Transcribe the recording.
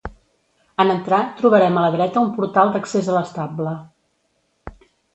En entrar trobarem a la dreta un portal d'accés a l'estable.